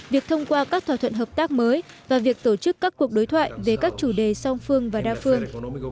việc thông qua các thỏa thuận hợp tác mới và việc tổ chức các cuộc đối thoại về các chủ đề song phương và đa phương